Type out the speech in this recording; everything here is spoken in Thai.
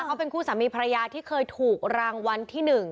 เขาเป็นคู่สามีภรรยาที่เคยถูกรางวัลที่๑